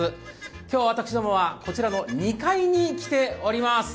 今日私どもはこちらの２階に来ております。